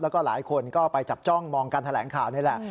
แล้วก็หลายคนก็ไปจับจ้องมองการแถลงข่าวนี่แหละ